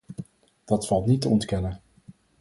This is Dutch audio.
Dat valt niet te ontkennen.